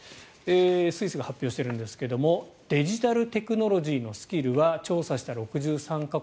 スイスが発表しているんですがデジタルテクノロジーのスキルは調査した６３か国